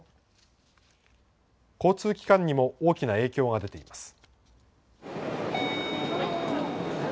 交通機関にも大きな影響が出ています。